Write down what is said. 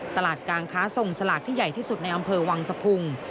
ตลาดกลางค้าส่งสลากที่ใหญ่ที่สุดในอำเภอวังสะพุง